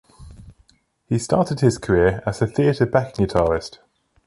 He started his career as a theatre backing guitarist.